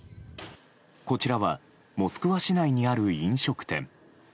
こちらはモスクワ市内にある飲食店。